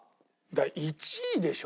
１位でしょ？